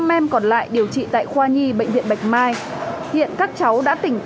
năm em còn lại điều trị tại khoa nhi bệnh viện bạch mai